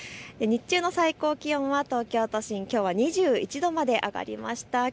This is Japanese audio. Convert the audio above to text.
日中の最高気温は東京都心、２１度まで上がりました。